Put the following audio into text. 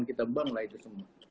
kita buanglah itu semua